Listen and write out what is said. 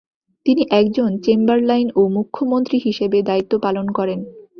তিনি একজন চেম্বারলাইন ও মুখ্যমন্ত্রী হিসেবে দায়িত্ব পালন করেন।